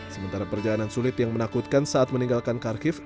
sementara perjalanan sulit yang menakutkan saat meninggalkan kharkiv